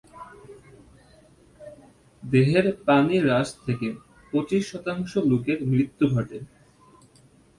দেহের পানি হ্রাস থেকে পঁচিশ শতাংশ লোকের মৃত্যু ঘটে।